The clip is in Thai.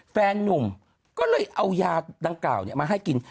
แฟนนุ่มก็เลยเอายาดังกล่าวมาให้กิน